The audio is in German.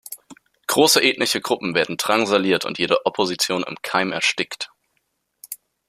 Große ethnische Gruppen werden drangsaliert und jede Opposition im Keim erstickt.